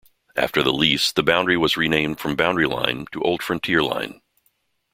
After the lease, the boundary was renamed from Boundary Line to Old Frontier Line.